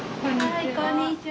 はいこんにちは。